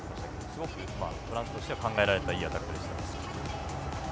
すごくフランスとしては考えられたいいアタックでした。